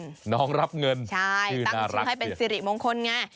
ใช่ตั้งชื่อให้เป็นสิริมงคลไง